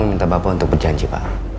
bapak meminta bapak untuk berjanji pak